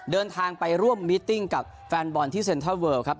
เดินทางไปร่วมมิตติ้งกับแฟนบอลที่เซ็นทรัลเวิลครับ